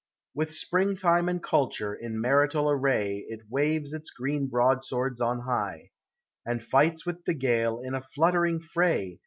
With spring time and culture, in martial array It waves its green broadswords on high, And fights with the gale, in a fluttering fray.